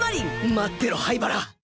待ってろ、灰原。